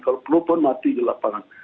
kalau perlu pun mati di lapangan